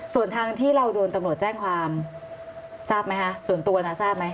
ส่วนทางที่เราโดนตำรวจแจ้งความทราบไหมคะส่วนตัวนะทราบไหม